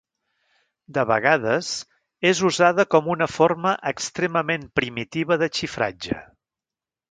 De vegades, és usada com una forma extremament primitiva de xifratge.